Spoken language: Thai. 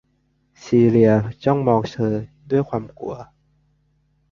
ซีเลียจ้องมองเธอด้วยความกลัว